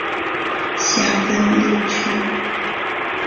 下分六区。